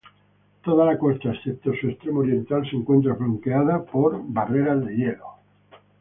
Toda la costa excepto su extremo oriental, se encuentra bloqueada por barreras de hielo.